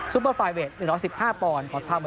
ซุปเปอร์ไฟเวท๑๑๕ปอนด์